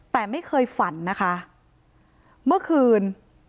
แต่ไม่เคยฝันนะคะเมื่อคืน